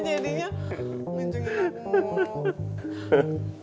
masih jadinya mincingin aku